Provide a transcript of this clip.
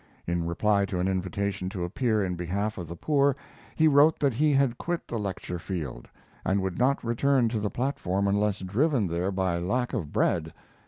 In reply to an invitation to appear in behalf of the poor, he wrote that he had quit the lecture field, and would not return to the platform unless driven there by lack of bread.